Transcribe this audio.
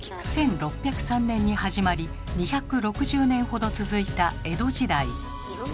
１６０３年に始まり２６０年ほど続いた江戸時代。